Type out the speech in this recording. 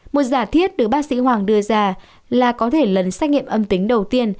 một giả thiết được bác sĩ hoàng đưa ra là có thể lần xét nghiệm âm tính đầu tiên